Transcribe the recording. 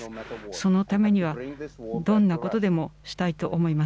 そのためには、どんなことでもしたいと思います。